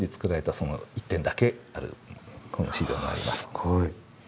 すごい。